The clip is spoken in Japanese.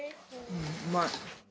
うまい。